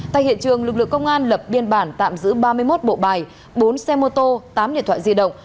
tại hiện trường lực lượng công an lập biên bản tạm giữ ba mươi một bộ bài bốn xe mô tô tám điện thoại di động